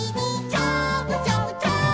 「ジャブジャブジャブ」